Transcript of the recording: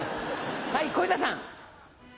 はい小遊三さん。